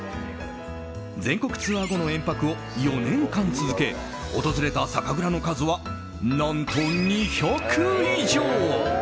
全国ツアー後の延泊を４年間続け訪れた酒蔵の数は何と２００以上！